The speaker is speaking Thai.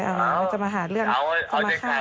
ว่ามันจะมาหาเรื่องสมาคา